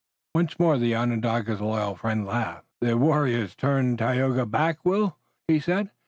Once more the Onondaga's loyal friend laughed. "The warriors turn Tayoga back, Will?" he said.